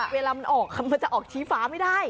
เวลามันออกมันจะออกชี้ฟ้าไม่ได้